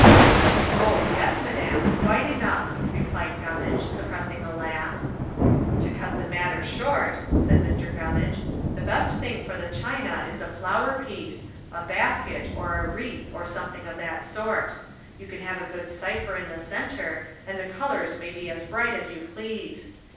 "Oh! yes, madam quite enough," replied Gummage, suppressing a laugh. "To cut the matter short," said Mr. Gummage, "the best thing for the china is a flower piece a basket, or a wreath or something of that sort. You can have a good cipher in the center, and the colors may be as bright as you please.